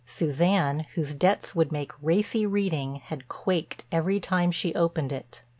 Suzanne, whose debts would make racy reading, had quaked every time she opened it.